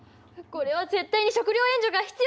これは絶対に食料援助が必要です。